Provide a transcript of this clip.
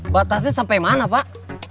batasnya sampai mana pak